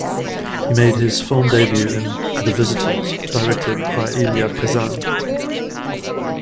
He made his film debut in "The Visitors", directed by Elia Kazan.